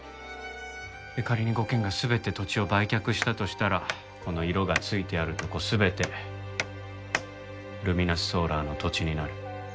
仮に５軒が全て土地を売却したとしたらこの色がついてあるとこ全てルミナスソーラーの土地になる。